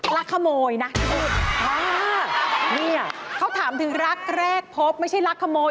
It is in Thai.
ฮ่านี่เขาถามถึงรักแรกพบไม่ใช่รักขโมย